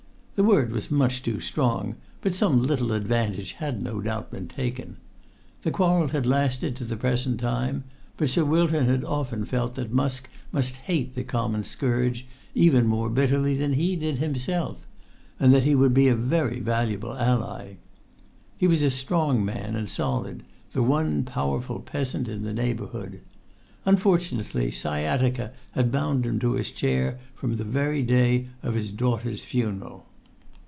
The word was much too strong; but some little advantage had no doubt been taken. The quarrel had[Pg 127] lasted to the present time; but Sir Wilton had often felt that Musk must hate the common scourge even more bitterly than he did himself, and that he would be a very valuable ally. He was a strong man and solid, the one powerful peasant in the neighbourhood. Unfortunately, sciatica had bound him to his chair from the very day of his daughter's funeral.